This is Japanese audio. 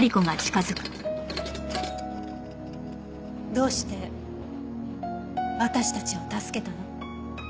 どうして私たちを助けたの？